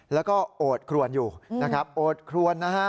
แล้วก็โอดครวนอยู่นะครับโอดครวนนะฮะ